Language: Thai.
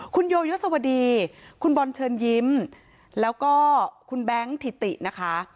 คุณโยยศวดีคุณบอลเชิญยิ้มแล้วก็คุณแบงค์ถิตินะคะ